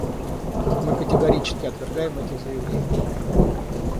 Мы категорически отвергаем эти заявления.